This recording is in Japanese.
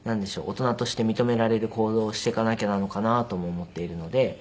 大人として認められる行動をしていかなきゃなのかなとも思っているので。